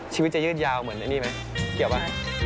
ชีวิตจะยืดยาวเหมือนไอ้นี่ไหมเกี่ยวป่ะ